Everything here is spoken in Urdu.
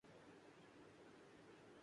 افواج کا استعمال کیا گی